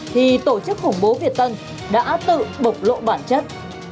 thì tổ chức khủng bố việt tân đã tự bộc lộ bản chất